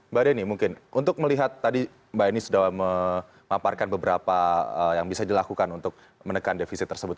mbak deni mungkin untuk melihat tadi mbak eni sudah memaparkan beberapa yang bisa dilakukan untuk menekan defisit tersebut